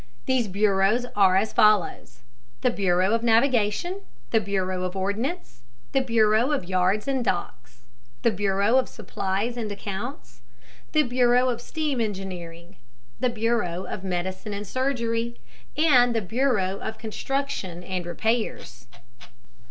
These bureaus are as follows: the bureau of navigation, the bureau of ordnance, the bureau of yards and docks, the bureau of supplies and accounts, the bureau of steam engineering, the bureau of medicine and surgery, and the bureau of construction and repairs.